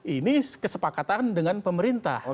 ini kesepakatan dengan pemerintah